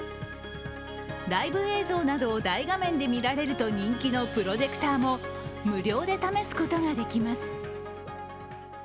ライブ映像などを、大画面で見られると人気のプロジェクターも無料で試すことができます。